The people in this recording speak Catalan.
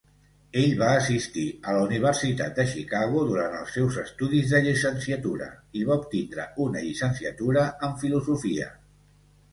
Ell va assistir a la Universitat de Chicago durant els seus estudis de llicenciatura, i va obtindre una llicenciatura en filosofia.